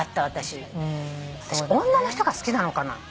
私女の人が好きなのかな？